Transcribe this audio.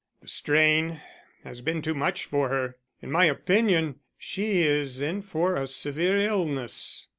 The strain has been too much for her. In my opinion she is in for a severe illness."